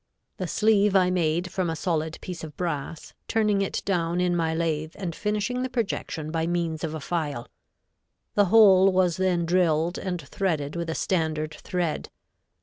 The sleeve I made from a solid piece of brass, turning it down in my lathe and finishing the projection by means of a file. The hole was then drilled and threaded with a standard thread.